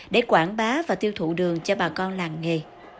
để quảng bá và tiêu thụ đường cho bà con làng nghề